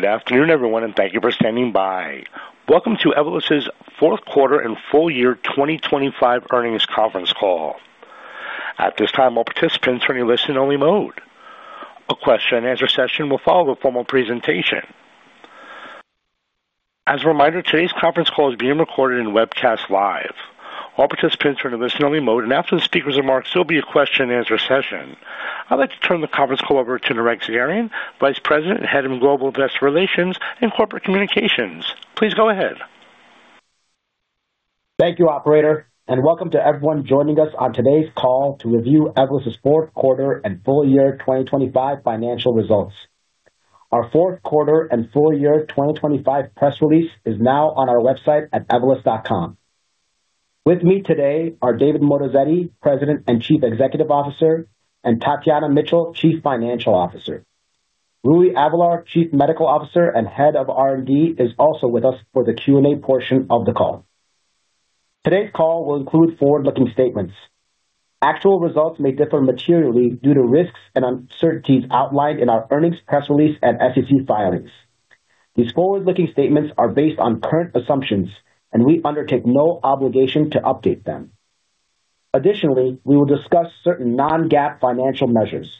Good afternoon, everyone, thank you for standing by. Welcome to Evolus' Q4 and full year 2025 earnings conference call. At this time, all participants are in a listen-only mode. A question-and-answer session will follow the formal presentation. As a reminder, today's conference call is being recorded and webcast live. All participants are in a listen-only mode, after the speakers' remarks, there'll be a question-and-answer session. I'd like to turn the conference call over to Nareg Sagherian, Vice President and Head of Global Investor Relations and Corporate Communications. Please go ahead. Thank you, operator, and welcome to everyone joining us on today's call to review Evolus' Q4 and full year 2025 financial results. Our Q4 and full year 2025 press release is now on our website at evolus.com. With me today are David Moatazedi, President and Chief Executive Officer, and Tatiana Mitchell, Chief Financial Officer. Rui Avelar, Chief Medical Officer and Head of R&D, is also with us for the Q&A portion of the call. Today's call will include forward-looking statements. Actual results may differ materially due to risks and uncertainties outlined in our earnings press release and SEC filings. These forward-looking statements are based on current assumptions, and we undertake no obligation to update them. Additionally, we will discuss certain non-GAAP financial measures.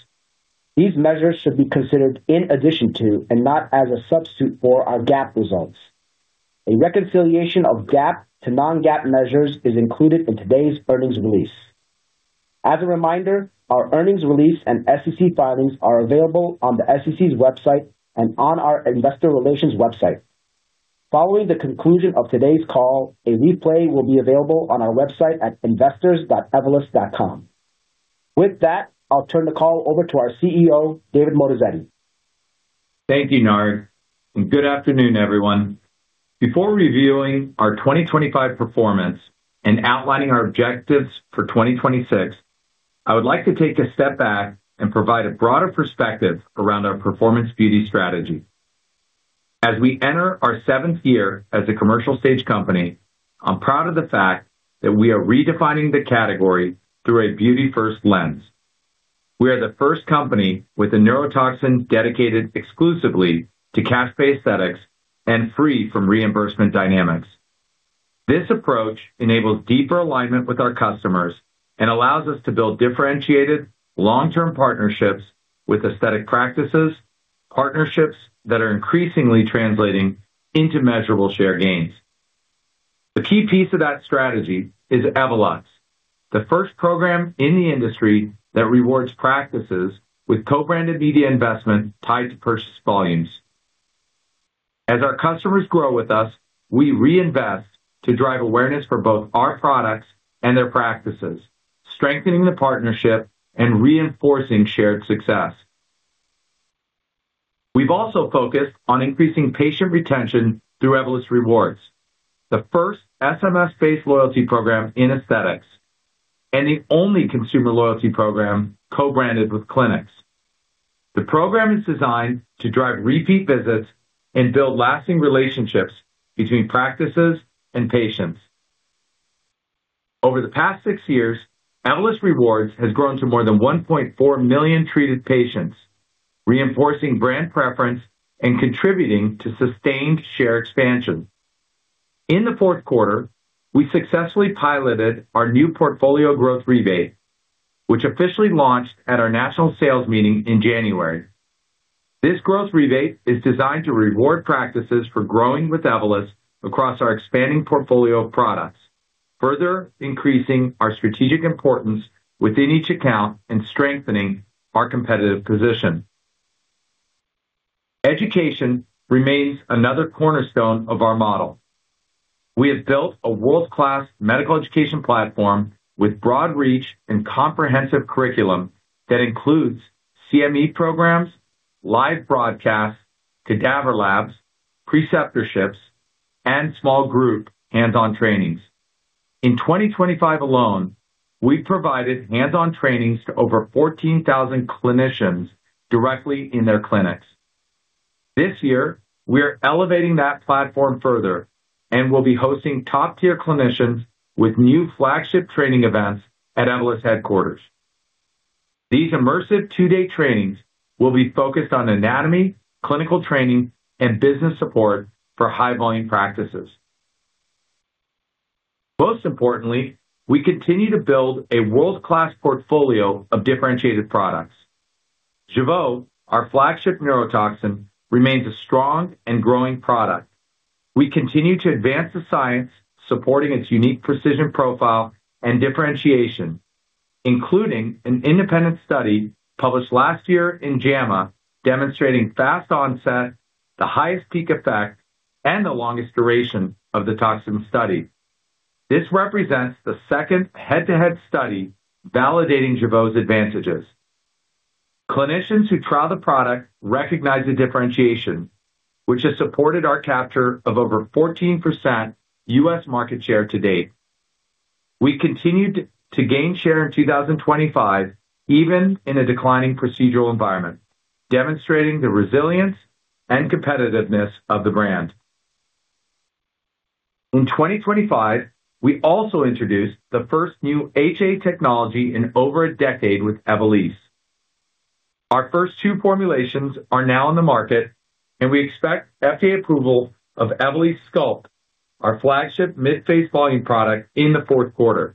These measures should be considered in addition to and not as a substitute for our GAAP results. A reconciliation of GAAP to non-GAAP measures is included in today's earnings release. As a reminder, our earnings release and SEC filings are available on the SEC's website and on our investor relations website. Following the conclusion of today's call, a replay will be available on our website at www.evolus.com. With that, I'll turn the call over to our CEO, David Moatazedi. Thank you, Nareg. Good afternoon, everyone. Before reviewing our 2025 performance and outlining our objectives for 2026, I would like to take a step back and provide a broader perspective around our performance beauty strategy. As we enter our seventh year as a commercial stage company, I'm proud of the fact that we are redefining the category through a beauty-first lens. We are the first company with a neurotoxin dedicated exclusively to cash-based aesthetics and free from reimbursement dynamics. This approach enables deeper alignment with our customers and allows us to build differentiated long-term partnerships with aesthetic practices, partnerships that are increasingly translating into measurable share gains. The key piece of that strategy is Evolus, the first program in the industry that rewards practices with co-branded media investment tied to purchase volumes. As our customers grow with us, we reinvest to drive awareness for both our products and their practices, strengthening the partnership and reinforcing shared success. We've also focused on increasing patient retention through Evolus Rewards, the first SMS-based loyalty program in aesthetics and the only consumer loyalty program co-branded with clinics. The program is designed to drive repeat visits and build lasting relationships between practices and patients. Over the past six years, Evolus Rewards has grown to more than 1.4 million treated patients, reinforcing brand preference and contributing to sustained share expansion. In the Q4, we successfully piloted our new portfolio growth rebate, which officially launched at our national sales meeting in January. This growth rebate is designed to reward practices for growing with Evolus across our expanding portfolio of products, further increasing our strategic importance within each account and strengthening our competitive position. Education remains another cornerstone of our model. We have built a world-class medical education platform with broad reach and comprehensive curriculum that includes CME programs, live broadcasts, cadaver labs, preceptorships, and small group hands-on trainings. In 2025 alone, we've provided hands-on trainings to over 14,000 clinicians directly in their clinics. This year, we are elevating that platform further and will be hosting top-tier clinicians with new flagship training events at Evolus headquarters. These immersive two-day trainings will be focused on anatomy, clinical training, and business support for high-volume practices. Most importantly, we continue to build a world-class portfolio of differentiated products. Jeuveau, our flagship neurotoxin, remains a strong and growing product. We continue to advance the science supporting its unique precision profile and differentiation, including an independent study published last year in JAMA demonstrating fast onset, the highest peak effect, and the longest duration of the toxin study. This represents the second head-to-head study validating Jeuveau's advantages. Clinicians who try the product recognize the differentiation, which has supported our capture of over 14% U.S. market share to date. We continued to gain share in 2025, even in a declining procedural environment, demonstrating the resilience and competitiveness of the brand. In 2025, we also introduced the first new HA technology in over a decade with Evolysse. Our first two formulations are now in the market, and we expect FDA approval of Evolysse Sculpt, our flagship mid-face volume product, in the Q4.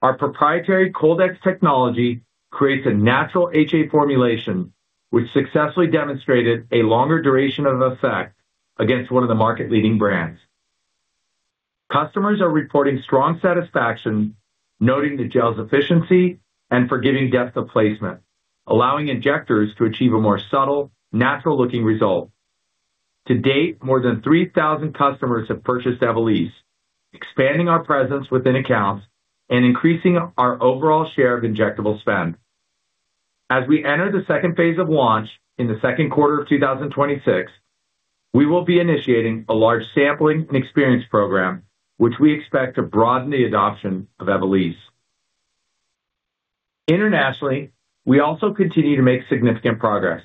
Our proprietary Cold-X technology creates a natural HA formulation which successfully demonstrated a longer duration of effect against one of the market-leading brands. Customers are reporting strong satisfaction, noting the gel's efficiency and forgiving depth of placement, allowing injectors to achieve a more subtle, natural-looking result. To date, more than 3,000 customers have purchased Evolysse, expanding our presence within accounts and increasing our overall share of injectable spend. As we enter the second phase of launch in the Q2 of 2026, we will be initiating a large sampling and experience program, which we expect to broaden the adoption of Evolysse. Internationally, we also continue to make significant progress.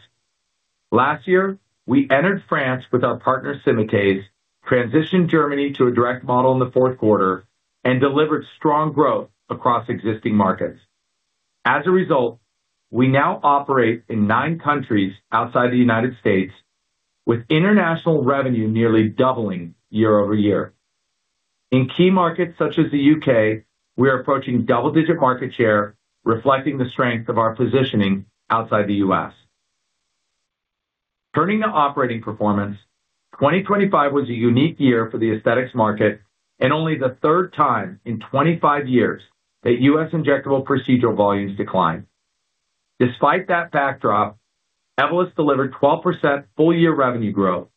Last year, we entered France with our partner Symatese, transitioned Germany to a direct model in the Q4, and delivered strong growth across existing markets. As a result, we now operate in nine countries outside the United States, with international revenue nearly doubling year-over-year. In key markets such as the U.K., we are approaching double-digit market share, reflecting the strength of our positioning outside the U.S. Turning to operating performance, 2025 was a unique year for the aesthetics market and only the third time in 25 years that U.S. injectable procedural volumes declined. Despite that backdrop, Evolus delivered 12% full-year revenue growth,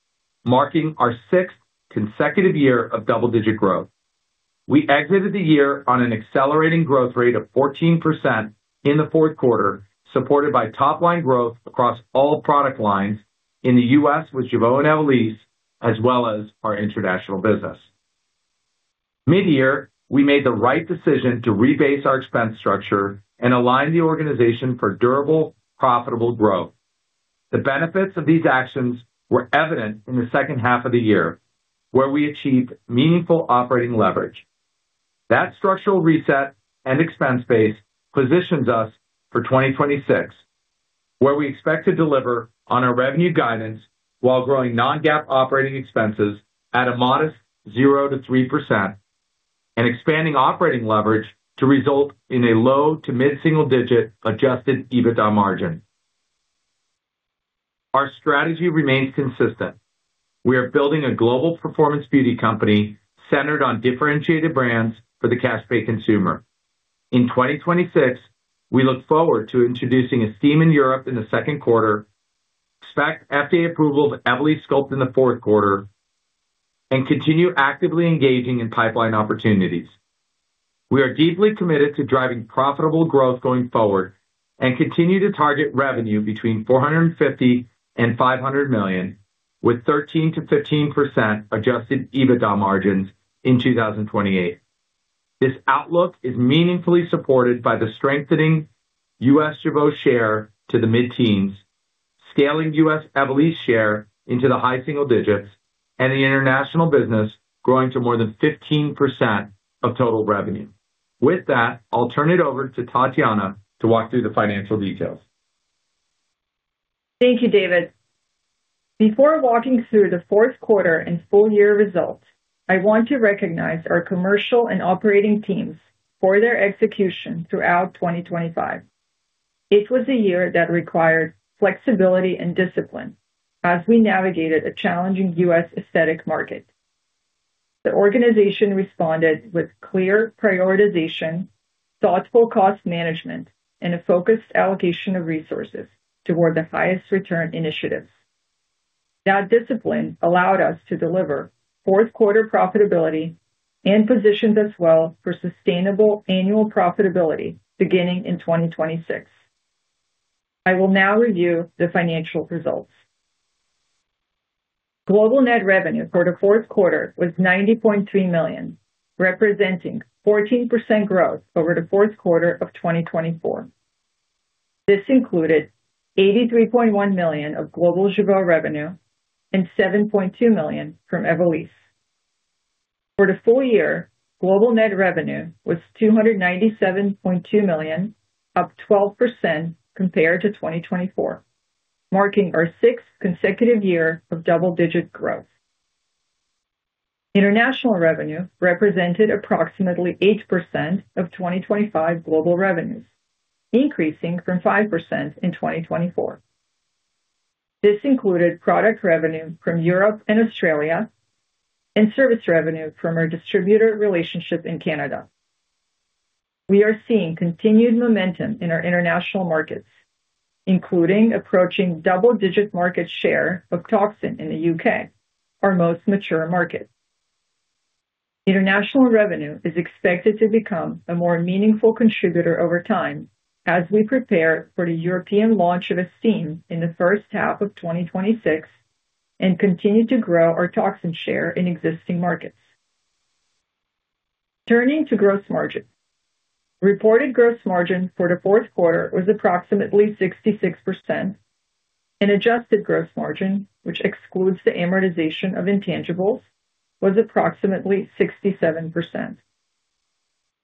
marking our sixth consecutive year of double-digit growth. We exited the year on an accelerating growth rate of 14% in the Q4, supported by top-line growth across all product lines in the U.S. with Jeuveau and Evolysse, as well as our international business. Mid-year, we made the right decision to rebase our expense structure and align the organization for durable, profitable growth. The benefits of these actions were evident in the second half of the year, where we achieved meaningful operating leverage. That structural reset and expense base positions us for 2026, where we expect to deliver on our revenue guidance while growing non-GAAP operating expenses at a modest 0%-3% and expanding operating leverage to result in a low to mid-single digit adjusted EBITDA margin. Our strategy remains consistent. We are building a global performance beauty company centered on differentiated brands for the cash pay consumer. In 2026, we look forward to introducing Estyme in Europe in the Q2, expect FDA approval of Evolysse Sculpt in the Q4, and continue actively engaging in pipeline opportunities. We are deeply committed to driving profitable growth going forward and continue to target revenue between $450 million to $500 million, with 13%-15% adjusted EBITDA margins in 2028. This outlook is meaningfully supported by the strengthening U.S. Jeuveau share to the mid-teens, scaling U.S. Evolysse share into the high single digits, and the international business growing to more than 15% of total revenue. With that, I'll turn it over to Tatiana to walk through the financial details. Thank you, David. Before walking through the Q4 and full-year results, I want to recognize our commercial and operating teams for their execution throughout 2025. It was a year that required flexibility and discipline as we navigated a challenging U.S. aesthetic market. The organization responded with clear prioritization, thoughtful cost management, and a focused allocation of resources toward the highest return initiatives. That discipline allowed us to deliver Q4 profitability and positions us well for sustainable annual profitability beginning in 2026. I will now review the financial results. Global net revenue for the Q4 was $90.3 million, representing 14% growth over the Q4 of 2024. This included $83.1 million of global Jeuveau revenue and $7.2 million from Evolysse. For the full year, global net revenue was $297.2 million, up 12% compared to 2024, marking our 6th consecutive year of double-digit growth. International revenue represented approximately 8% of 2025 global revenues, increasing from 5% in 2024. This included product revenue from Europe and Australia and service revenue from our distributor relationship in Canada. We are seeing continued momentum in our international markets, including approaching double-digit market share of toxin in the U.K., our most mature market. International revenue is expected to become a more meaningful contributor over time as we prepare for the European launch of Estyme in the first half of 2026 and continue to grow our toxin share in existing markets. Turning to gross margin. Reported gross margin for the Q4 was approximately 66%, and adjusted gross margin, which excludes the amortization of intangibles, was approximately 67%.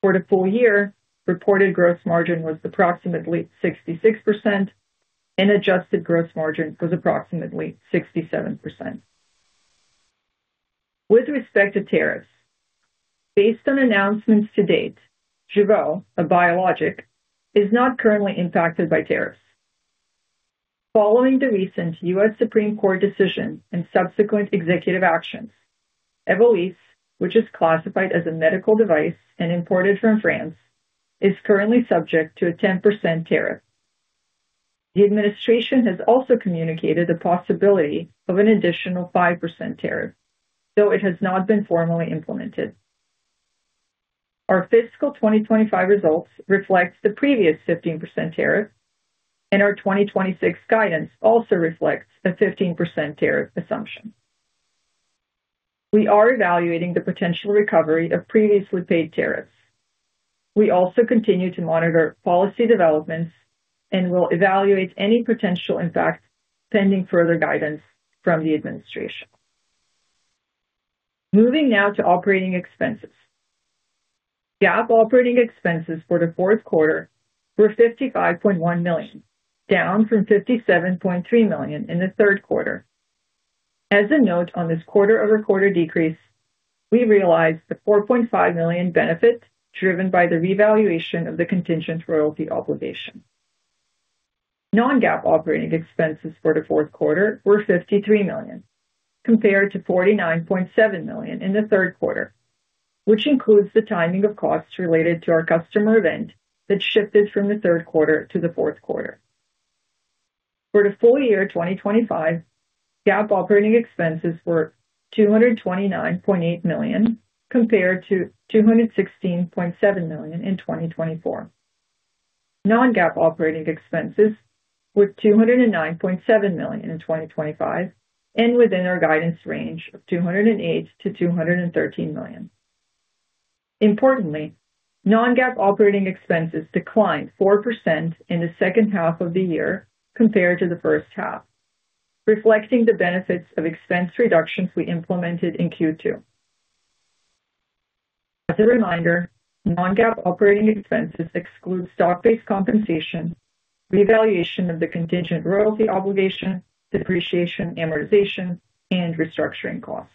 For the full year, reported gross margin was approximately 66% and adjusted gross margin was approximately 67%. With respect to tariffs, based on announcements to date, Jeuveau, a biologic, is not currently impacted by tariffs. Following the recent U.S. Supreme Court decision and subsequent executive actions, Evolus, which is classified as a medical device and imported from France, is currently subject to a 10% tariff. The administration has also communicated the possibility of an additional 5% tariff, though it has not been formally implemented. Our fiscal 2025 results reflects the previous 15% tariff, and our 2026 guidance also reflects the 15% tariff assumption. We are evaluating the potential recovery of previously paid tariffs. We also continue to monitor policy developments and will evaluate any potential impact pending further guidance from the administration. Moving now to operating expenses. GAAP operating expenses for the Q4 were $55.1 million, down from $57.3 million in the Q3. As a note on this quarter-over-quarter decrease, we realized the $4.5 million benefit driven by the revaluation of the contingent royalty obligation. Non-GAAP operating expenses for the Q4 were $53 million, compared to $49.7 million in the Q3, which includes the timing of costs related to our customer event that shifted from the Q3 to the Q4. For the full year 2025, GAAP operating expenses were $229.8 million, compared to $216.7 million in 2024. Non-GAAP operating expenses were $209.7 million in 2025 and within our guidance range of $208 million-$213 million. Importantly, non-GAAP operating expenses declined 4% in the second half of the year compared to the first half, reflecting the benefits of expense reductions we implemented in Q2. As a reminder, non-GAAP operating expenses exclude stock-based compensation, revaluation of the contingent royalty obligation, depreciation, amortization, and restructuring costs.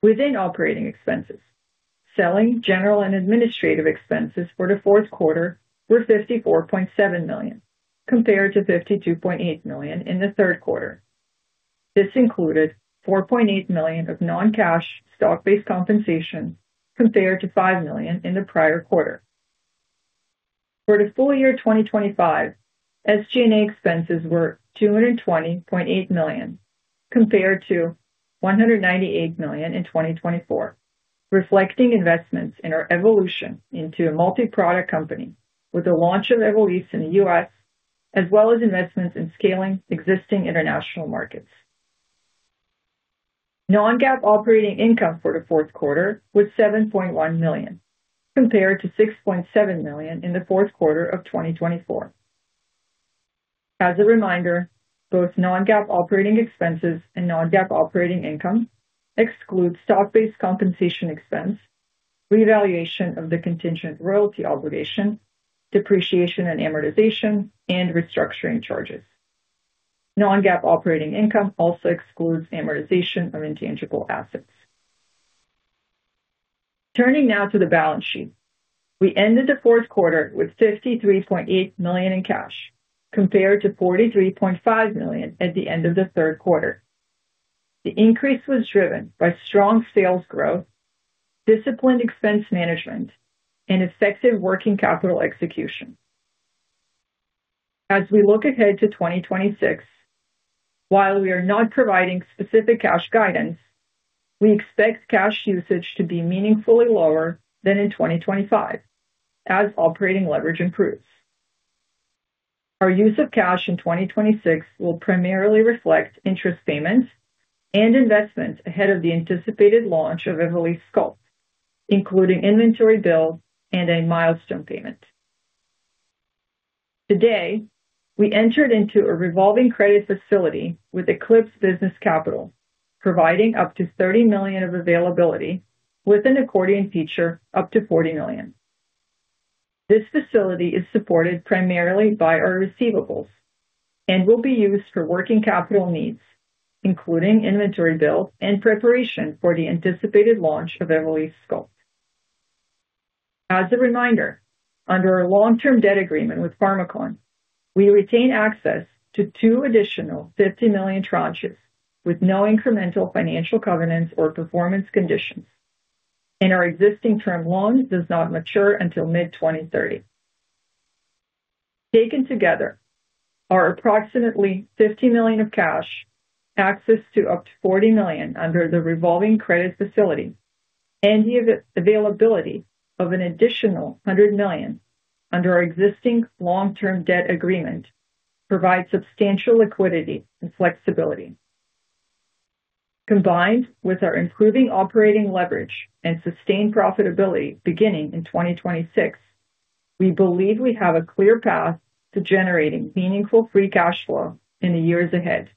Within operating expenses, selling, general and administrative expenses for the Q4 were $54.7 million, compared to $52.8 million in the Q3. This included $4.8 million of non-cash stock-based compensation, compared to $5 million in the prior quarter. For the full year 2025, SG&A expenses were $220.8 million, compared to $198 million in 2024, reflecting investments in our evolution into a multi-product company with the launch of Evolus in the U.S., as well as investments in scaling existing international markets. Non-GAAP operating income for the Q4 was $7.1 million, compared to $6.7 million in the Q4 of 2024. As a reminder, both non-GAAP operating expenses and non-GAAP operating income exclude stock-based compensation expense, revaluation of the contingent royalty obligation, depreciation and amortization, and restructuring charges. Non-GAAP operating income also excludes amortization of intangible assets. Turning now to the balance sheet. We ended the Q4 with $53.8 million in cash, compared to $43.5 million at the end of the Q3. The increase was driven by strong sales growth, disciplined expense management, and effective working capital execution. As we look ahead to 2026, while we are not providing specific cash guidance, we expect cash usage to be meaningfully lower than in 2025 as operating leverage improves. Our use of cash in 2026 will primarily reflect interest payments and investments ahead of the anticipated launch of Evolysse Sculpt, including inventory build and a milestone payment. Today, we entered into a revolving credit facility with Eclipse Business Capital, providing up to $30 million of availability with an accordion feature up to $40 million. This facility is supported primarily by our receivables and will be used for working capital needs, including inventory build and preparation for the anticipated launch of Evolysse Sculpt. As a reminder, under our long-term debt agreement with Pharmakon, we retain access to two additional $50 million tranches with no incremental financial covenants or performance conditions. Our existing term loan does not mature until mid-2030. Taken together, our approximately $50 million of cash, access to up to $40 million under the revolving credit facility, and the availability of an additional $100 million under our existing long-term debt agreement provide substantial liquidity and flexibility. Combined with our improving operating leverage and sustained profitability beginning in 2026, we believe we have a clear path to generating meaningful free cash flow in the years ahead.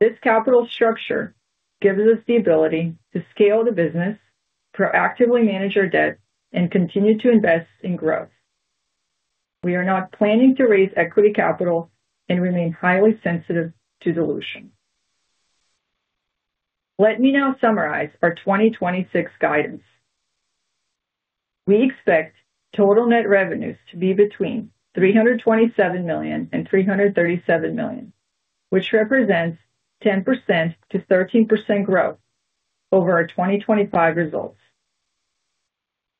This capital structure gives us the ability to scale the business, proactively manage our debt, and continue to invest in growth. We are not planning to raise equity capital and remain highly sensitive to dilution. Let me now summarize our 2026 guidance. We expect total net revenues to be between $327 million and $337 million, which represents 10%-13% growth over our 2025 results.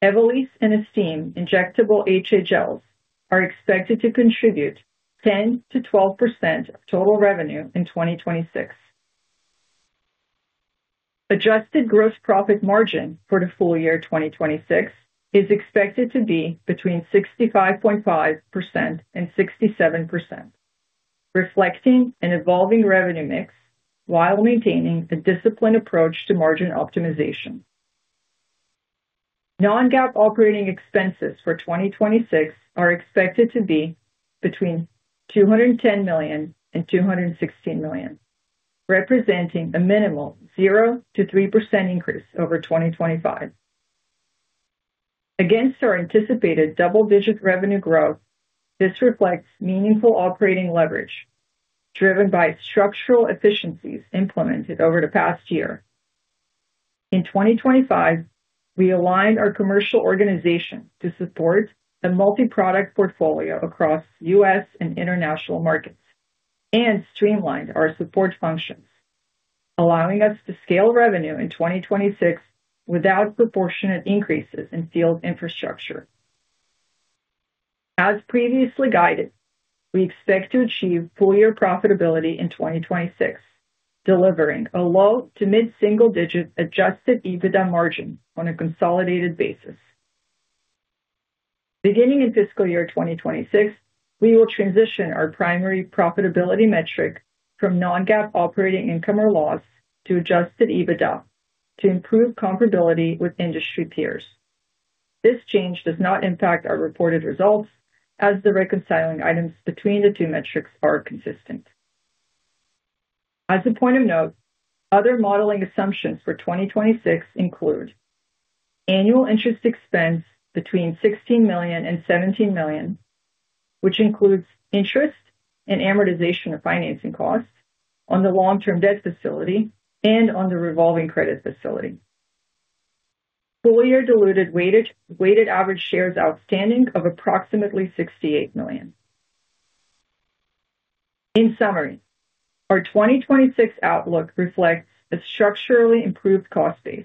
Evolus and Evolysse injectable HHLs are expected to contribute 10%-12% of total revenue in 2026. Adjusted gross profit margin for the full year 2026 is expected to be between 65.5% and 67%, reflecting an evolving revenue mix while maintaining a disciplined approach to margin optimization. Non-GAAP operating expenses for 2026 are expected to be between $210 million and $216 million, representing a minimal 0%-3% increase over 2025. Against our anticipated double-digit revenue growth, this reflects meaningful operating leverage driven by structural efficiencies implemented over the past year. In 2025, we aligned our commercial organization to support the multi-product portfolio across U.S. and international markets and streamlined our support functions, allowing us to scale revenue in 2026 without proportionate increases in field infrastructure. As previously guided, we expect to achieve full year profitability in 2026, delivering a low to mid-single-digit adjusted EBITDA margin on a consolidated basis. Beginning in fiscal year 2026, we will transition our primary profitability metric from non-GAAP operating income or loss to adjusted EBITDA to improve comparability with industry peers. This change does not impact our reported results as the reconciling items between the two metrics are consistent. As a point of note, other modeling assumptions for 2026 include annual interest expense between $16 million and $17 million, which includes interest and amortization of financing costs on the long-term debt facility and on the revolving credit facility. Full year diluted weighted average shares outstanding of approximately 68 million. In summary, our 2026 outlook reflects a structurally improved cost base,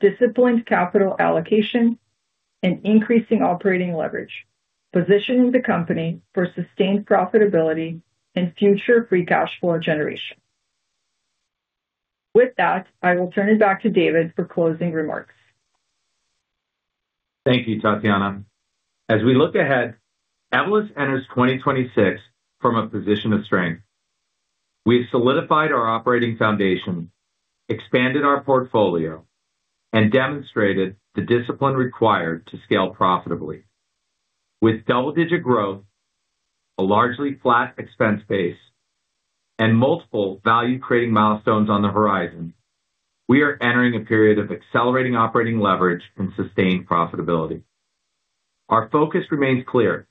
disciplined capital allocation and increasing operating leverage, positioning the company for sustained profitability and future free cash flow generation. With that, I will turn it back to David for closing remarks. Thank you, Tatiana. As we look ahead, Evolus enters 2026 from a position of strength. We've solidified our operating foundation, expanded our portfolio, and demonstrated the discipline required to scale profitably. With double-digit growth, a largely flat expense base, and multiple value-creating milestones on the horizon, we are entering a period of accelerating operating leverage and sustained profitability. Our focus remains clear.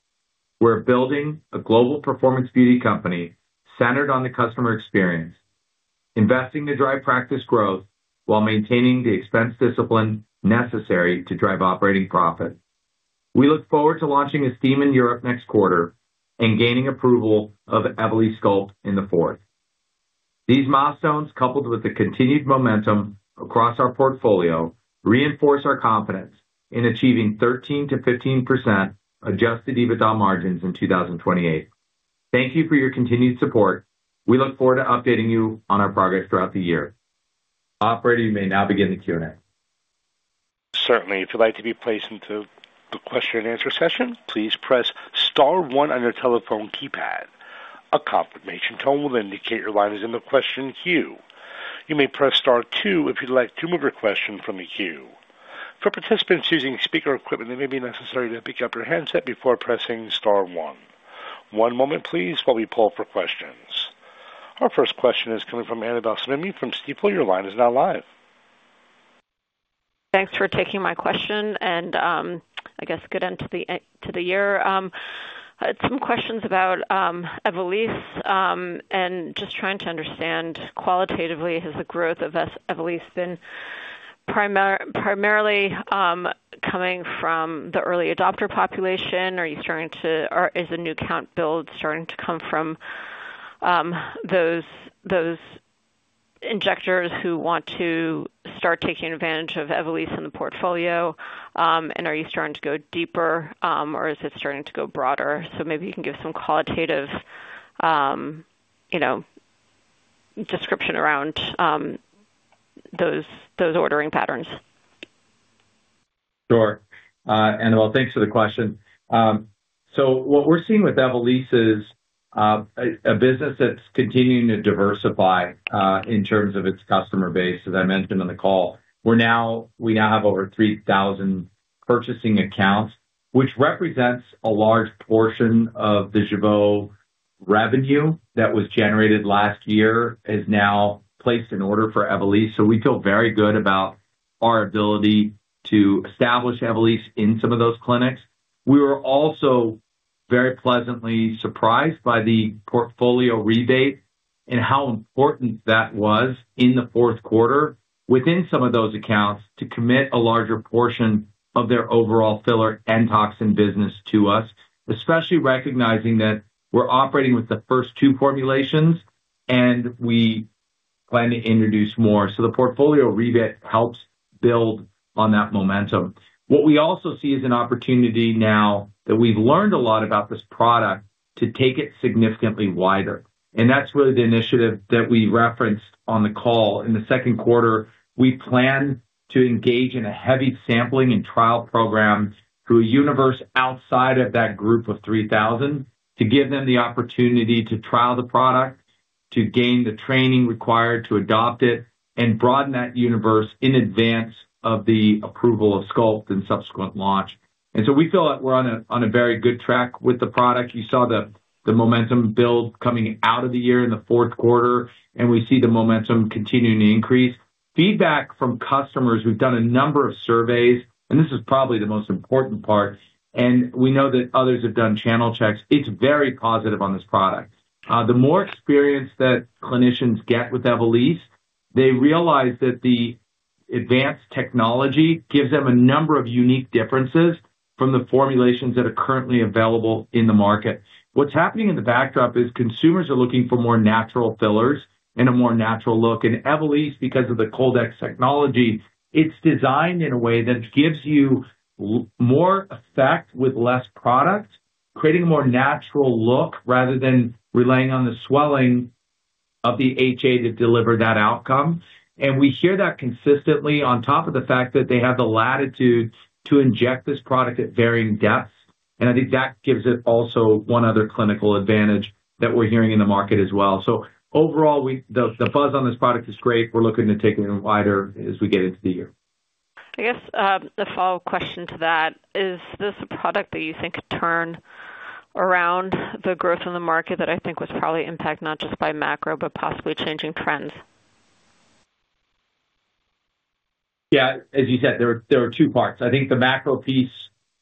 We're building a global performance beauty company centered on the customer experience, investing to drive practice growth while maintaining the expense discipline necessary to drive operating profit. We look forward to launching Estyme in Europe next quarter and gaining approval of Evolus Sculpt in the fourth. These milestones, coupled with the continued momentum across our portfolio, reinforce our confidence in achieving 13%-15% adjusted EBITDA margins in 2028. Thank you for your continued support. We look forward to updating you on our progress throughout the year. Operator, you may now begin the Q&A. Certainly. If you'd like to be placed into the question and answer session, please press star one on your telephone keypad. A confirmation tone will indicate your line is in the question queue. You may press star two if you'd like to move your question from the queue. For participants using speaker equipment, it may be necessary to pick up your handset before pressing star one. One moment please while we poll for questions. Our first question is coming from Annabel Samimy from Stifel. Your line is now live. Thanks for taking my question and I guess good end to the year. Some questions about Evolus, just trying to understand qualitatively has the growth of Evolus been primarily coming from the early adopter population? Are you starting to or is the new count build starting to come from those injectors who want to start taking advantage of Evolus in the portfolio? Are you starting to go deeper, or is it starting to go broader? Maybe you can give some qualitative, you know, description around those ordering patterns. Sure. Annabel, thanks for the question. What we're seeing with Evolus is a business that's continuing to diversify in terms of its customer base, as I mentioned on the call. We now have over 3,000 purchasing accounts, which represents a large portion of the Jeuveau revenue that was generated last year is now placed an order for Evolus. We feel very good about our ability to establish Evolus in some of those clinics. We were also very pleasantly surprised by the portfolio rebate and how important that was in the Q4 within some of those accounts to commit a larger portion of their overall filler and toxin business to us, especially recognizing that we're operating with the first two formulations, and we plan to introduce more. The portfolio rebate helps build on that momentum. What we also see is an opportunity now that we've learned a lot about this product to take it significantly wider, that's really the initiative that we referenced on the call. In the Q2, we plan to engage in a heavy sampling and trial program through a universe outside of that group of 3,000 to give them the opportunity to trial the product, to gain the training required to adopt it and broaden that universe in advance of the approval of Sculpt and subsequent launch. We feel like we're on a very good track with the product. You saw the momentum build coming out of the year in the Q4, we see the momentum continuing to increase. Feedback from customers, we've done a number of surveys, and this is probably the most important part, and we know that others have done channel checks. It's very positive on this product. The more experience that clinicians get with Evolus, they realize that the advanced technology gives them a number of unique differences from the formulations that are currently available in the market. What's happening in the backdrop is consumers are looking for more natural fillers and a more natural look. Evolus, because of the Cold-X technology, it's designed in a way that gives you more effect with less product, creating a more natural look rather than relying on the swelling of the HA to deliver that outcome. We hear that consistently on top of the fact that they have the latitude to inject this product at varying depths. I think that gives it also one other clinical advantage that we're hearing in the market as well. Overall, the buzz on this product is great. We're looking to take it even wider as we get into the year. I guess, the follow-up question to that, is this a product that you think could turn around the growth in the market that I think was probably impacted not just by macro, but possibly changing trends? Yeah. As you said, there are two parts. I think the macro piece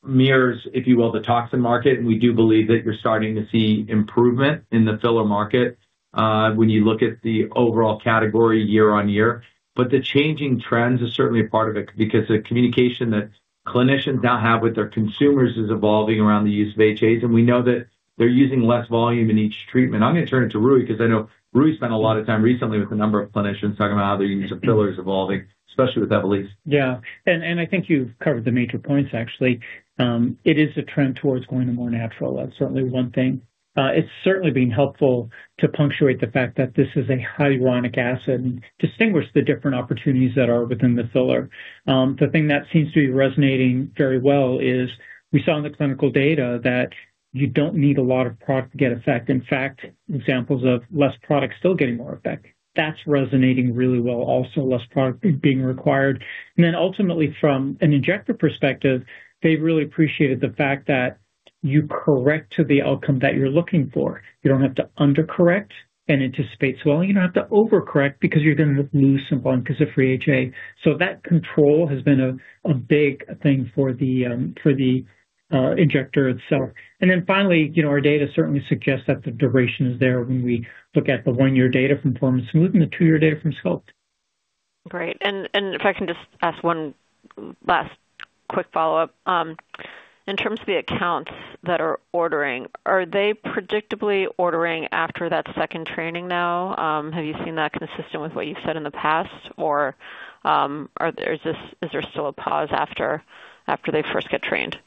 mirrors, if you will, the toxin market. We do believe that you're starting to see improvement in the filler market, when you look at the overall category year-over-year. The changing trends is certainly a part of it, because the communication that clinicians now have with their consumers is evolving around the use of HAs, and we know that they're using less volume in each treatment. I'm gonna turn it to Rui because I know Rui spent a lot of time recently with a number of clinicians talking about how the use of fillers evolving, especially with Evolus. Yeah. I think you've covered the major points, actually. It is a trend towards going to more natural. That's certainly one thing. It's certainly been helpful to punctuate the fact that this is a hyaluronic acid and distinguish the different opportunities that are within the filler. The thing that seems to be resonating very well is we saw in the clinical data that you don't need a lot of product to get effect. In fact, examples of less product still getting more effect. That's resonating really well, also less product being required. Ultimately from an injector perspective, they've really appreciated the fact that you correct to the outcome that you're looking for. You don't have to under-correct and anticipate swelling. You don't have to over-correct because you're gonna lose some volume 'cause of free HA. That control has been a big thing for the injector itself. Finally, you know, our data certainly suggests that the duration is there when we look at the one-year data from Firm and Smooth and the two-year data from Sculpt. Great. If I can just ask one last quick follow-up. In terms of the accounts that are ordering, are they predictably ordering after that second training now? Have you seen that consistent with what you've said in the past? Or, is there still a pause after they first get trained?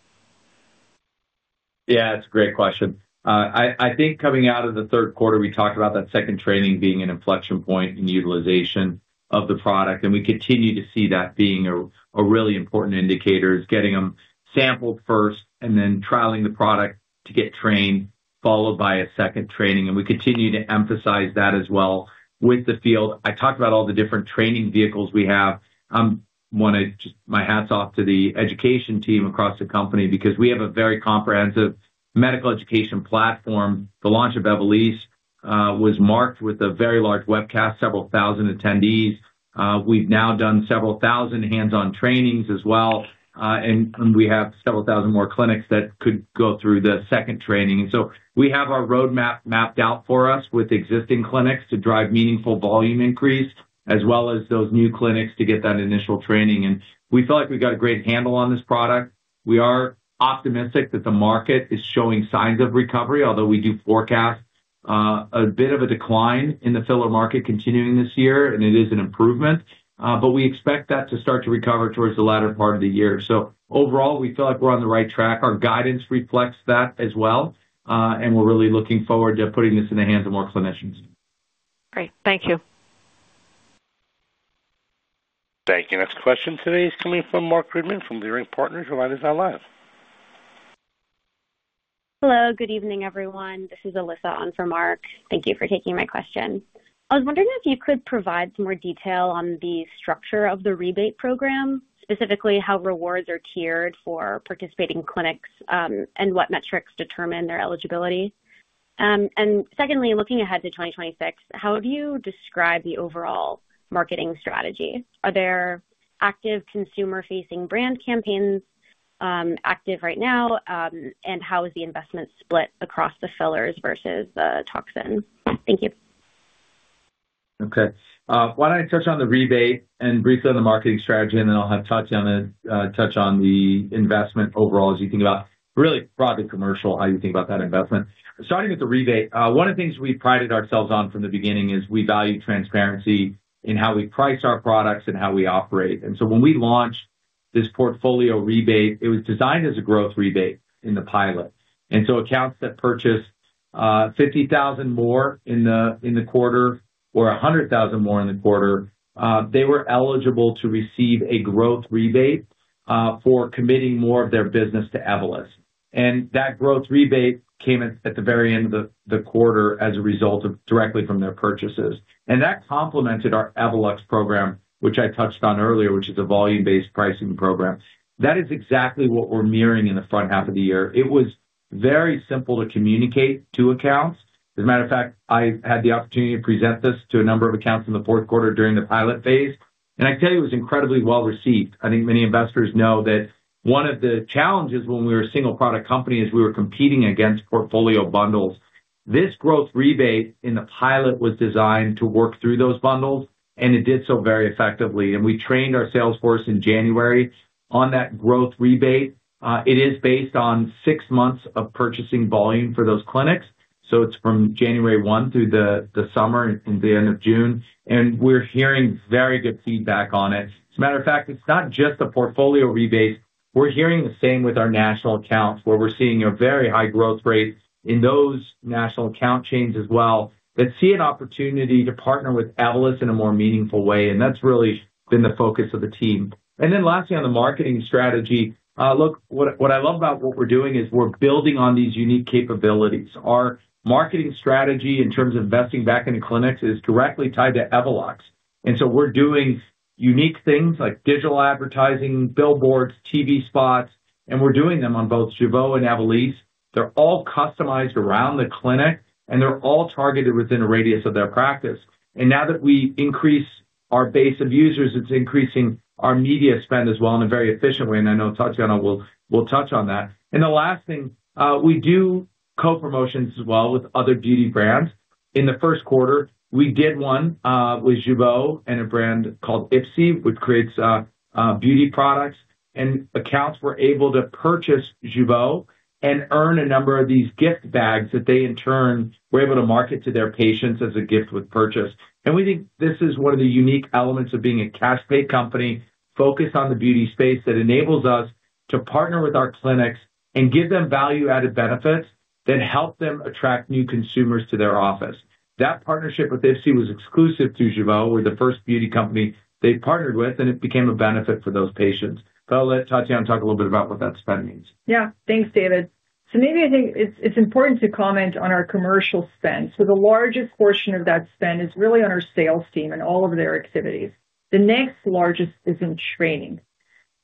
Yeah, it's a great question. I think coming out of the Q3, we talked about that second training being an inflection point in utilization of the product. We continue to see that being a really important indicator, is getting them sampled first and then trialing the product to get trained, followed by a second training. We continue to emphasize that as well with the field. I talked about all the different training vehicles we have. Just my hats off to the education team across the company because we have a very comprehensive medical education platform. The launch of Evolus was marked with a very large webcast, several thousand attendees. We've now done several thousand hands-on trainings as well. We have several thousand more clinics that could go through the second training. We have our roadmap mapped out for us with existing clinics to drive meaningful volume increase, as well as those new clinics to get that initial training. We feel like we've got a great handle on this product. We are optimistic that the market is showing signs of recovery, although we do forecast a bit of a decline in the filler market continuing this year, and it is an improvement. We expect that to start to recover towards the latter part of the year. Overall, we feel like we're on the right track. Our guidance reflects that as well, and we're really looking forward to putting this in the hands of more clinicians. Great. Thank you. Thank you. Next question today is coming from Marc Goodman from Leerink Partners. Your line is now live. Hello, good evening, everyone. This is Alyssa on for Marc. Thank you for taking my question. I was wondering if you could provide some more detail on the structure of the rebate program, specifically how rewards are tiered for participating clinics, and what metrics determine their eligibility. Secondly, looking ahead to 2026, how have you described the overall marketing strategy? Are there active consumer-facing brand campaigns active right now? How is the investment split across the fillers versus the toxin? Thank you. Why don't I touch on the rebate and briefly on the marketing strategy, and then I'll have Tatiana touch on the investment overall as you think about really broadly commercial, how you think about that investment. Starting with the rebate, one of the things we prided ourselves on from the beginning is we value transparency in how we price our products and how we operate. When we launched this portfolio rebate, it was designed as a growth rebate in the pilot. Accounts that purchased $50,000 more in the quarter or $100,000 more in the quarter, they were eligible to receive a growth rebate for committing more of their business to Evolus. That growth rebate came at the very end of the quarter as a result of directly from their purchases. That complemented our Evolux program, which I touched on earlier, which is a volume-based pricing program. That is exactly what we're mirroring in the front half of the year. It was very simple to communicate to accounts. As a matter of fact, I had the opportunity to present this to a number of accounts in the Q4 during the pilot phase, and I tell you, it was incredibly well received. I think many investors know that one of the challenges when we were a single product company is we were competing against portfolio bundles. This growth rebate in the pilot was designed to work through those bundles, and it did so very effectively. We trained our sales force in January on that growth rebate. It is based on six months of purchasing volume for those clinics, so it's from January 1 through the summer and the end of June. We're hearing very good feedback on it. As a matter of fact, it's not just the portfolio rebates. We're hearing the same with our national accounts, where we're seeing a very high growth rate in those national account chains as well that see an opportunity to partner with Evolus in a more meaningful way. That's really been the focus of the team. Lastly, on the marketing strategy, look, what I love about what we're doing is we're building on these unique capabilities. Our marketing strategy in terms of investing back into clinics is directly tied to Evolus. We're doing unique things like digital advertising, billboards, TV spots, and we're doing them on both Jeuveau and Evolus. They're all customized around the clinic, and they're all targeted within a radius of their practice. Now that we increase our base of users, it's increasing our media spend as well in a very efficient way, and I know Tatiana will touch on that. The last thing, we do co-promotions as well with other beauty brands. In the Q1, we did one with Jeuveau and a brand called IPSY, which creates beauty products. Accounts were able to purchase Jeuveau and earn a number of these gift bags that they in turn were able to market to their patients as a gift with purchase. We think this is one of the unique elements of being a cash pay company focused on the beauty space that enables us to partner with our clinics and give them value-added benefits that help them attract new consumers to their office. That partnership with IPSY was exclusive to Jeuveau. We're the first beauty company they partnered with, and it became a benefit for those patients. I'll let Tatiana talk a little bit about what that spend means. Yeah. Thanks, David. Maybe I think it's important to comment on our commercial spend. The largest portion of that spend is really on our sales team and all of their activities. The next largest is in training.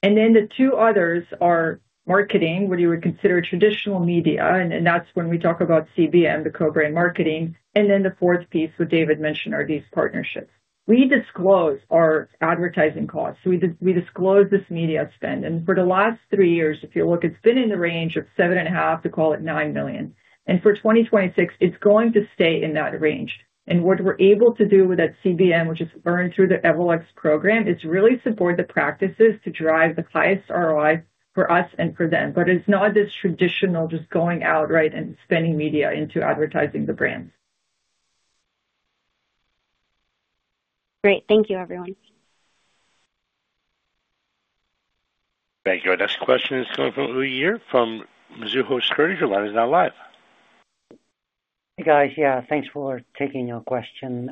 Then the two others are marketing, what you would consider traditional media, and that's when we talk about CBM, the co-brand marketing. Then the fourth piece, what David mentioned, are these partnerships. We disclose our advertising costs. We disclose this media spend. For the last three years, if you look, it's been in the range of $7.5 million-$9 million. For 2026, it's going to stay in that range. What we're able to do with that CBM, which is earned through the Evolus program, is really support the practices to drive the highest ROI for us and for them. It's not this traditional just going out, right, and spending media into advertising the brands. Great. Thank you, everyone. Thank you. Our next question is coming from Uy Ear from Mizuho Securities. Your line is now live. Hey, guys. Yeah, thanks for taking our question.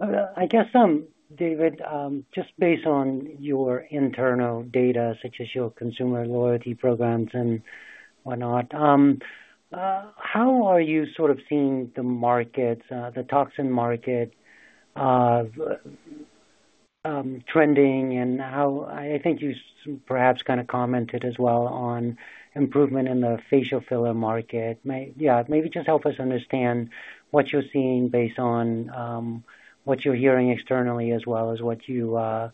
I guess David, just based on your internal data, such as your consumer loyalty programs and whatnot, how are you sort of seeing the market, the toxin market, trending? I think you perhaps kinda commented as well on improvement in the facial filler market. Yeah, maybe just help us understand what you're seeing based on what you're hearing externally as well as what you are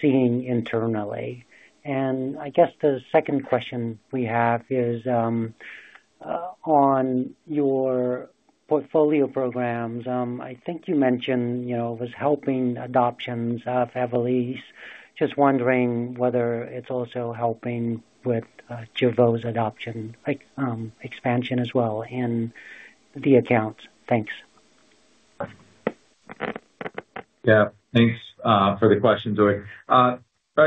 seeing internally. I guess the second question we have is on your portfolio programs. I think you mentioned, you know, it was helping adoptions of Evolus. Just wondering whether it's also helping with Jeuveau's adoption, like expansion as well in the accounts? Thanks. Yeah. Thanks for the question, Zoe. I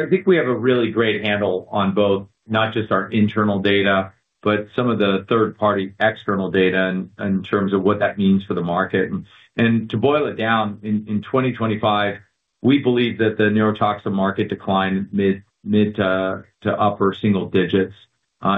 think we have a really great handle on both, not just our internal data, but some of the third party external data in terms of what that means for the market. To boil it down, in 2025, we believe that the neurotoxin market declined mid to upper single digits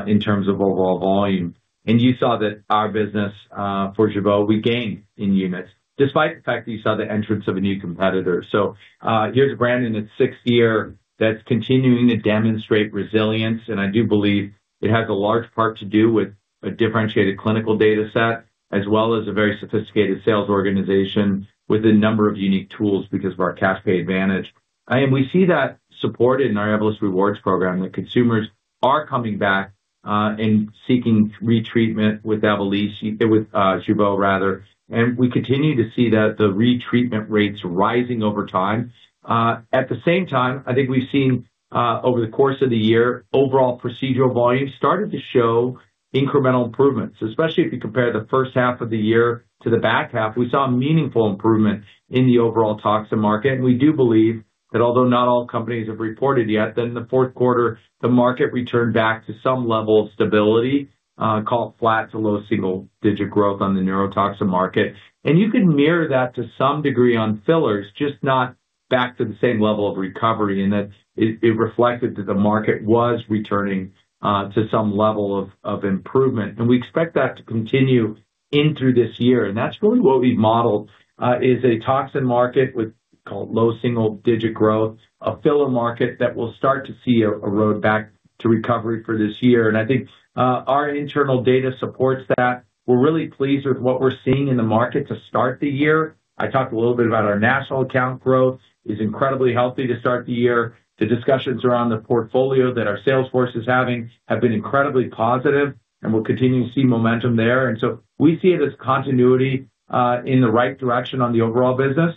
in terms of overall volume. You saw that our business for Jeuveau, we gained in units despite the fact that you saw the entrance of a new competitor. Here's a brand in its sixth year that's continuing to demonstrate resilience, and I do believe it has a large part to do with a differentiated clinical data set as well as a very sophisticated sales organization with a number of unique tools because of our Caspay advantage. We see that supported in our Evolus Rewards program, that consumers are coming back, and seeking retreatment with Jeuveau rather. We continue to see that the retreatment rates rising over time. At the same time, I think we've seen over the course of the year, overall procedural volume started to show incremental improvements, especially if you compare the first half of the year to the back half. We saw meaningful improvement in the overall toxin market, and we do believe that although not all companies have reported yet, that in the Q4, the market returned back to some level of stability, called flat to low single-digit growth on the neurotoxin market. You can mirror that to some degree on fillers, just not back to the same level of recovery, and that it reflected that the market was returning to some level of improvement. We expect that to continue in through this year, and that's really what we've modeled is a toxin market with low single-digit growth, a filler market that will start to see a road back to recovery for this year. I think our internal data supports that. We're really pleased with what we're seeing in the market to start the year. I talked a little bit about our national account growth is incredibly healthy to start the year. The discussions around the portfolio that our sales force is having have been incredibly positive, and we're continuing to see momentum there. We see it as continuity in the right direction on the overall business.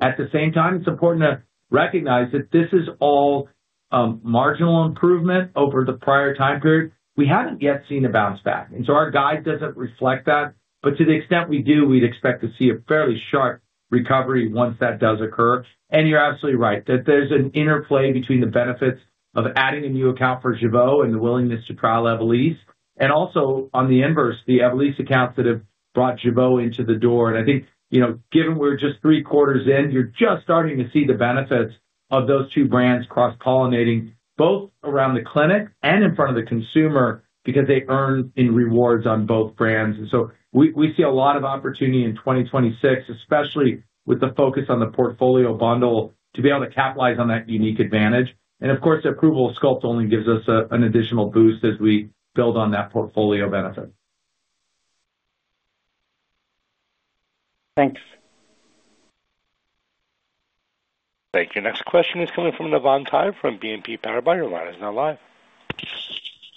At the same time, it's important to recognize that this is all marginal improvement over the prior time period. We haven't yet seen a bounce back. Our guide doesn't reflect that. To the extent we do, we'd expect to see a fairly sharp recovery once that does occur. You're absolutely right that there's an interplay between the benefits of adding a new account for Jeuveau and the willingness to trial Evolus. Also, on the inverse, the Evolus accounts that have brought Jeuveau into the door. I think, you know, given we're just three quarters in, you're just starting to see the benefits of those two brands cross-pollinating, both around the clinic and in front of the consumer, because they earn in rewards on both brands. We see a lot of opportunity in 2026, especially with the focus on the portfolio bundle, to be able to capitalize on that unique advantage. And of course, the approval of Sculpt only gives us an additional boost as we build on that portfolio benefit. Thanks. Thank you. Next question is coming from Navann Ty from BNP Paribas. Your line is now live.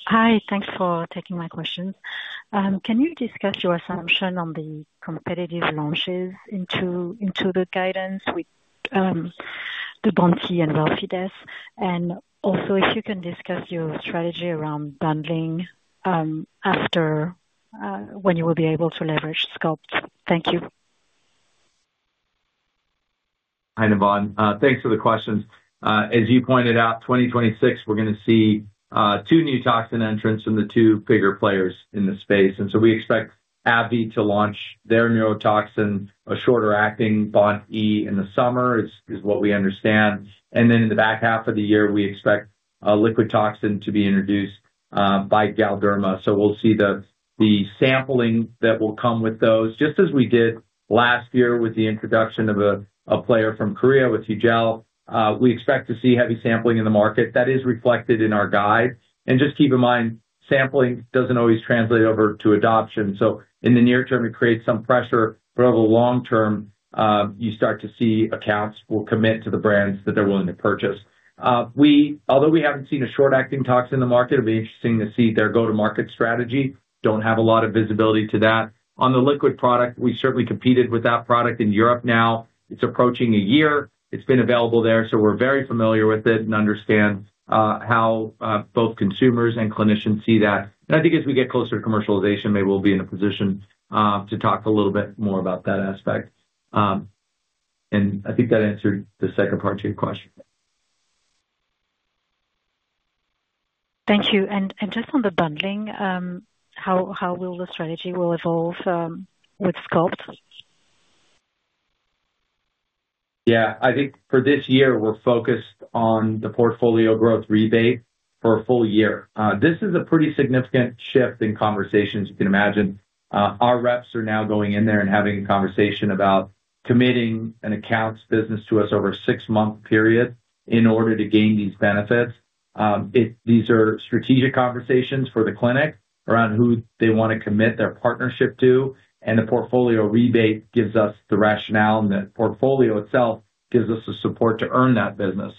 Hi. Thanks for taking my question. Can you discuss your assumption on the competitive launches into the guidance with the BoNT/E and Relfydess? Also, if you can discuss your strategy around bundling, after when you will be able to leverage Sculpt. Thank you. Hi, Navant. Thanks for the questions. As you pointed out, 2026, we're gonna see two new toxin entrants from the two bigger players in the space. We expect AbbVie to launch their neurotoxin, a shorter acting BoNT/E, in the summer, is what we understand. In the back half of the year, we expect a liquid toxin to be introduced by Galderma. We'll see the sampling that will come with those. Just as we did last year with the introduction of a player from Korea with Hugel, we expect to see heavy sampling in the market. That is reflected in our guide. Just keep in mind, sampling doesn't always translate over to adoption. In the near term, it creates some pressure, but over the long term, you start to see accounts will commit to the brands that they're willing to purchase. Although we haven't seen a short acting toxin in the market, it'll be interesting to see their go-to-market strategy. Don't have a lot of visibility to that. On the liquid product, we certainly competed with that product in Europe now. It's approaching a year it's been available there, so we're very familiar with it and understand how both consumers and clinicians see that. I think as we get closer to commercialization, maybe we'll be in a position to talk a little bit more about that aspect. I think that answered the second part to your question. Thank you. Just on the bundling, how will the strategy will evolve with Sculpt? Yeah. I think for this year, we're focused on the portfolio growth rebate for a full year. This is a pretty significant shift in conversations, you can imagine. Our reps are now going in there and having a conversation about committing an account's business to us over a six-month period in order to gain these benefits. These are strategic conversations for the clinic around who they wanna commit their partnership to, and the portfolio rebate gives us the rationale, and the portfolio itself gives us the support to earn that business.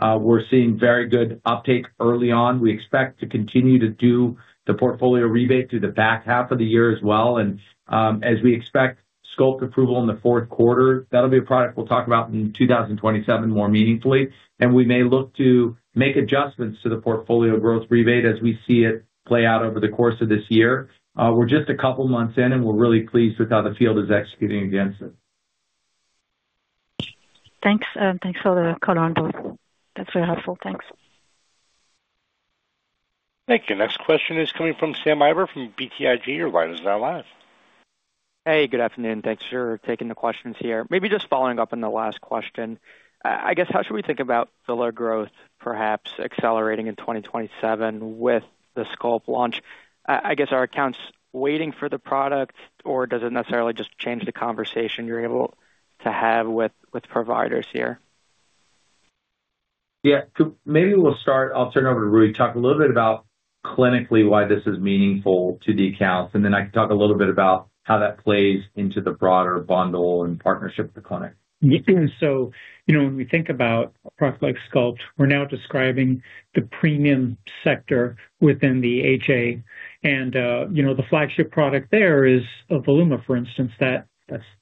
We're seeing very good uptake early on. We expect to continue to do the portfolio rebate through the back half of the year as well. As we expect Sculpt approval in the Q4, that'll be a product we'll talk about in 2027 more meaningfully. We may look to make adjustments to the portfolio growth rebate as we see it play out over the course of this year. We're just a couple months in. We're really pleased with how the field is executing against it. Thanks. Thanks for the color on both. That's very helpful. Thanks. Thank you. Next question is coming from Sam Eiber from BTIG. Your line is now live. Hey, good afternoon. Thanks for taking the questions here. Maybe just following up on the last question. I guess how should we think about filler growth perhaps accelerating in 2027 with the Sculpt launch? I guess, are accounts waiting for the product, or does it necessarily just change the conversation you're able to have with providers here? Yeah. Maybe we'll start. I'll turn it over to Rui Avelar, talk a little bit about clinically why this is meaningful to the accounts, and then I can talk a little bit about how that plays into the broader bundle and partnership with the clinic. You know, when we think about a product like Sculpt, we're now describing the premium sector within the HA. You know, the flagship product there is Voluma, for instance, that's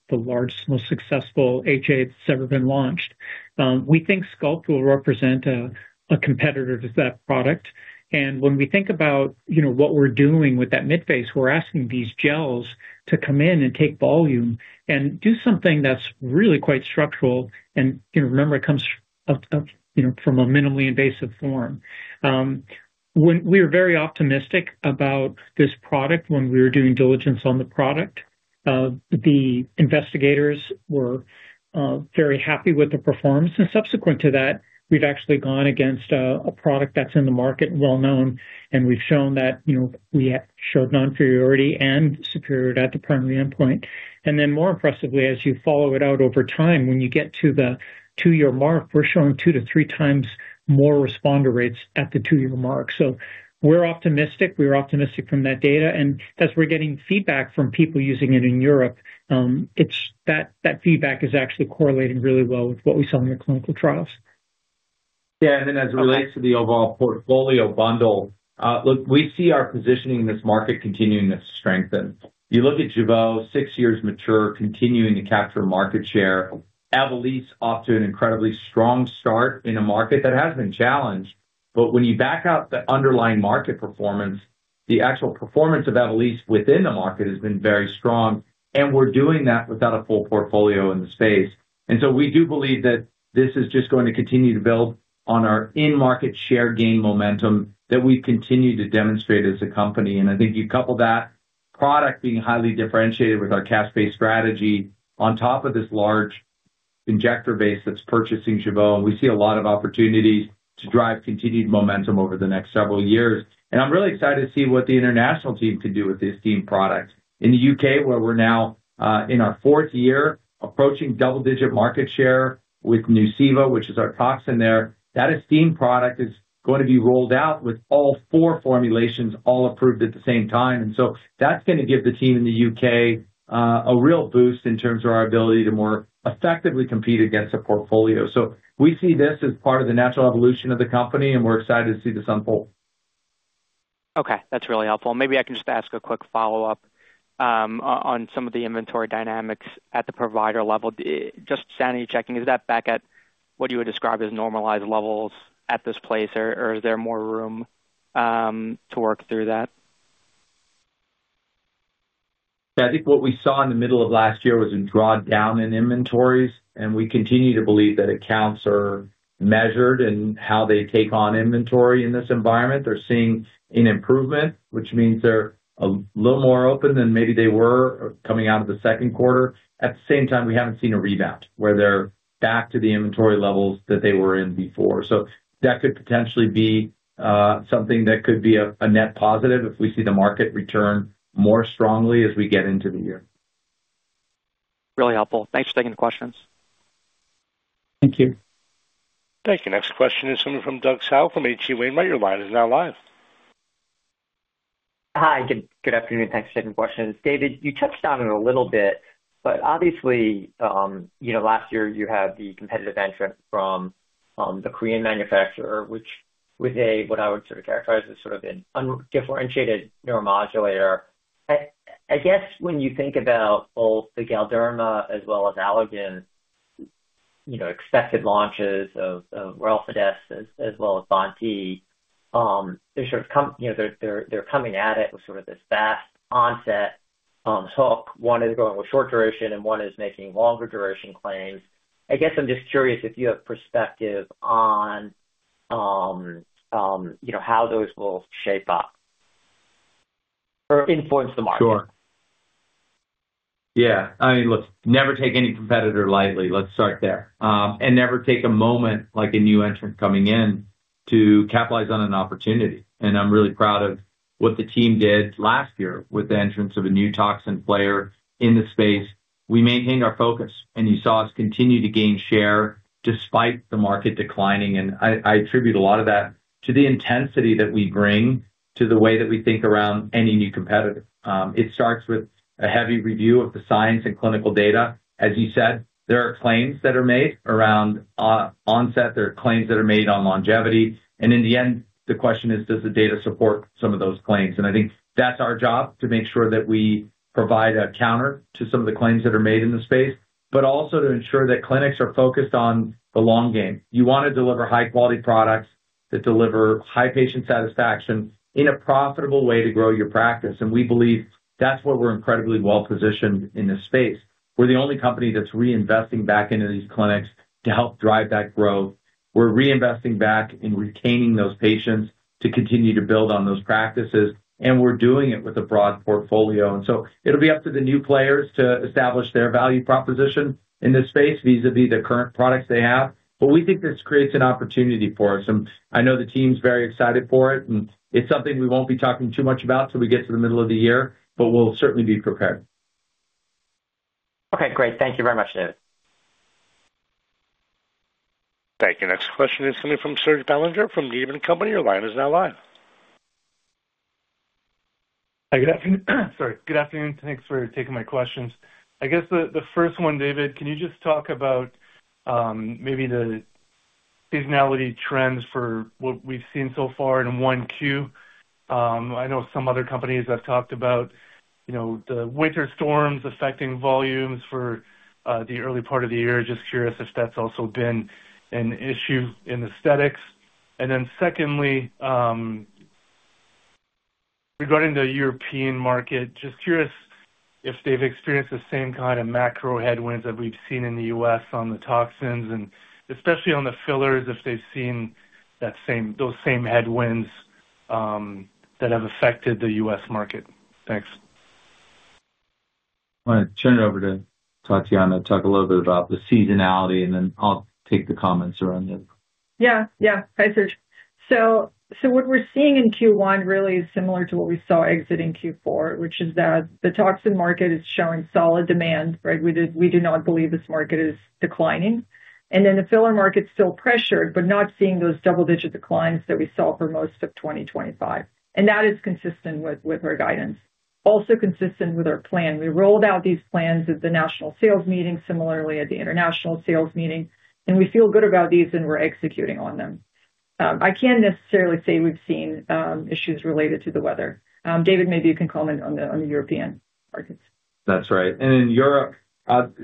the largest, most successful HA that's ever been launched. We think Sculpt will represent a competitor to that product. When we think about, you know, what we're doing with that midface, we're asking these gels to come in and take volume and do something that's really quite structural. You know, remember it comes of, you know, from a minimally invasive form. We were very optimistic about this product when we were doing diligence on the product. The investigators were very happy with the performance. Subsequent to that, we've actually gone against a product that's in the market and well-known, and we've shown that, you know, we showed non-inferiority and superiority at the primary endpoint. More impressively, as you follow it out over time, when you get to the two-year mark, we're showing two to three times more responder rates at the two-year mark. We're optimistic. We're optimistic from that data. As we're getting feedback from people using it in Europe, that feedback is actually correlating really well with what we saw in the clinical trials. As it relates to the overall portfolio bundle, look, we see our positioning in this market continuing to strengthen. You look at Jeuveau, six years mature, continuing to capture market share. Evolysse off to an incredibly strong start in a market that has been challenged. When you back out the underlying market performance, the actual performance of Evolysse within the market has been very strong, and we're doing that without a full portfolio in the space. We do believe that this is just going to continue to build on our in-market share gain momentum that we've continued to demonstrate as a company. I think you couple that product being highly differentiated with our cash-based strategy on top of this large injector base that's purchasing Jeuveau, and we see a lot of opportunities to drive continued momentum over the next several years. I'm really excited to see what the international team can do with the Estyme product. In the UK, where we're now in our fourth year approaching double-digit market share with Nuceiva, which is our toxin there, that Estyme product is going to be rolled out with all four formulations all approved at the same time. That's gonna give the team in the UK a real boost in terms of our ability to more effectively compete against a portfolio. We see this as part of the natural evolution of the company, and we're excited to see this unfold. Okay. That's really helpful. Maybe I can just ask a quick follow-up on some of the inventory dynamics at the provider level. Just sanity checking, is that back at what you would describe as normalized levels at this place or is there more room to work through that? I think what we saw in the middle of last year was a draw down in inventories. We continue to believe that accounts are measured in how they take on inventory in this environment. They're seeing an improvement, which means they're a little more open than maybe they were coming out of the Q2. At the same time, we haven't seen a rebound where they're back to the inventory levels that they were in before. That could potentially be something that could be a net positive if we see the market return more strongly as we get into the year. Really helpful. Thanks for taking the questions. Thank you. Thank you. Next question is coming from Doug Tsao from H.C. Wainwright. Your line is now live. Hi. Good afternoon. Thanks for taking the questions. David, you touched on it a little bit, but obviously, you know, last year you had the competitive entrant from the Korean manufacturer, which was what I would sort of characterize as an undifferentiated neuromodulator. I guess when you think about both the Galderma as well as Allergan, you know, expected launches of Relfydess as well as Vanti, they sort of come, you know, they're coming at it with sort of this fast onset. One is going with short duration and one is making longer duration claims. I guess I'm just curious if you have perspective on, you know, how those will shape up or influence the market. Sure. Yeah. I mean, look, never take any competitor lightly. Let's start there. Never take a moment like a new entrant coming in to capitalize on an opportunity. I'm really proud of what the team did last year with the entrance of a new toxin player in the space. We maintained our focus, and you saw us continue to gain share despite the market declining. I attribute a lot of that to the intensity that we bring to the way that we think around any new competitor. It starts with a heavy review of the science and clinical data. As you said, there are claims that are made around onset, there are claims that are made on longevity, and in the end, the question is, does the data support some of those claims? I think that's our job, to make sure that we provide a counter to some of the claims that are made in the space, but also to ensure that clinics are focused on the long game. You wanna deliver high-quality products that deliver high patient satisfaction in a profitable way to grow your practice. We believe that's where we're incredibly well-positioned in this space. We're the only company that's reinvesting back into these clinics to help drive that growth. We're reinvesting back in retaining those patients to continue to build on those practices, and we're doing it with a broad portfolio. It'll be up to the new players to establish their value proposition in this space vis-a-vis the current products they have. We think this creates an opportunity for us, and I know the team's very excited for it, and it's something we won't be talking too much about till we get to the middle of the year, but we'll certainly be prepared. Okay, great. Thank you very much, David. Thank you. Next question is coming from Serge Belanger from Needham & Company. Your line is now live. Hi, good afternoon. Sorry. Good afternoon. Thanks for taking my questions. I guess the first one, David, can you just talk about maybe the seasonality trends for what we've seen so far in 1Q? I know some other companies have talked about, you know, the winter storms affecting volumes for the early part of the year. Just curious if that's also been an issue in aesthetics. Secondly, regarding the European market, just curious if they've experienced the same kind of macro headwinds that we've seen in the U.S. on the toxins and especially on the fillers, if they've seen those same headwinds that have affected the U.S. market. Thanks. I'm gonna turn it over to Tatiana to talk a little bit about the seasonality, and then I'll take the comments around it. Hi, Serge. What we're seeing in Q1 really is similar to what we saw exiting Q4, which is that the toxin market is showing solid demand, right? We do not believe this market is declining. The filler market's still pressured, but not seeing those double-digit declines that we saw for most of 2025. That is consistent with our guidance. Consistent with our plan. We rolled out these plans at the national sales meeting, similarly at the international sales meeting, and we feel good about these, and we're executing on them. I can't necessarily say we've seen issues related to the weather. David, maybe you can comment on the European markets. That's right. In Europe,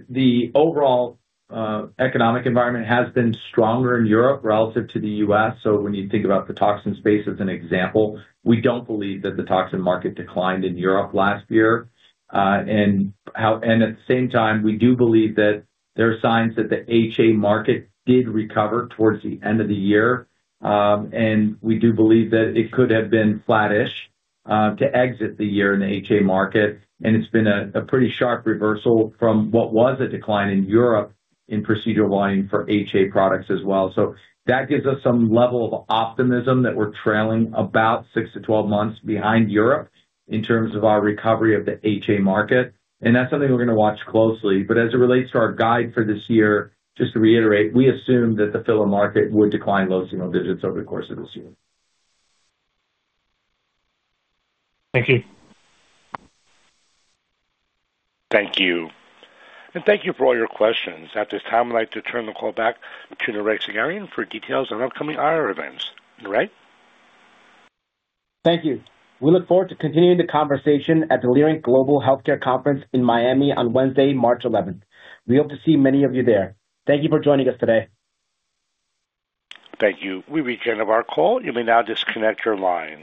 the overall economic environment has been stronger in Europe relative to the U.S. When you think about the toxin space as an example, we don't believe that the toxin market declined in Europe last year. At the same time, we do believe that there are signs that the HA market did recover towards the end of the year. We do believe that it could have been flattish to exit the year in the HA market. It's been a pretty sharp reversal from what was a decline in Europe in procedure volume for HA products as well. That gives us some level of optimism that we're trailing about six to 12 months behind Europe in terms of our recovery of the HA market. That's something we're gonna watch closely, but as it relates to our guide for this year, just to reiterate, we assume that the filler market would decline low single digits over the course of this year. Thank you. Thank you. Thank you for all your questions. At this time, I'd like to turn the call back to Nareg Sagherian for details on upcoming IR events. Nareg? Thank you. We look forward to continuing the conversation at the Leerink Global Healthcare Conference in Miami on Wednesday, March eleventh. We hope to see many of you there. Thank you for joining us today. Thank you. We've reached the end of our call. You may now disconnect your lines.